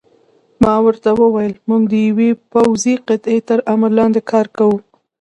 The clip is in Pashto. ما ورته وویل: موږ د یوې پوځي قطعې تر امر لاندې کار کوو.